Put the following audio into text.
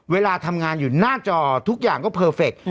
เวลาทำงานอยู่หน้าจอทุกอย่างก็เพอร์เฟค